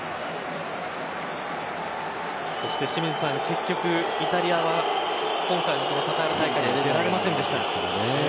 そして清水さん、結局イタリアは今回このカタール大会出られませんでした。